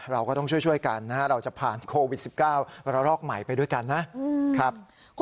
เราก็ต้องช่วยกันนะฮะเราจะผ่านโควิด๑๙ระลอกใหม่ไปด้วยกันนะครับ